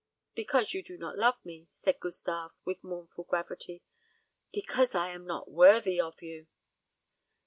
"Because you do not love me," said Gustave, with mournful gravity. "Because I am not worthy of you."